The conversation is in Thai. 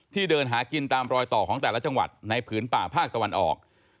เดินหากินตามรอยต่อของแต่ละจังหวัดในผืนป่าภาคตะวันออก